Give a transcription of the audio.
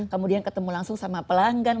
kemudian ketemu langsung sama pelanggan